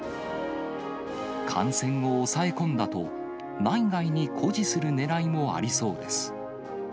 感染を抑え込んだと、内外に誇示するねらいもありそうです。